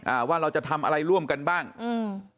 ว่าเราจะทำอะไรร่วมกันบ้างอืม